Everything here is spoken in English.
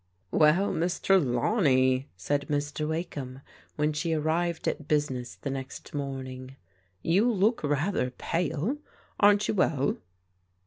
"Well, Miss Trelaweny," said Mr. Wakeham when she arrived at business the next morning, "you look rather pale. Aren't you well